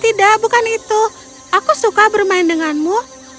tidak bukan itu aku suka bermain denganmu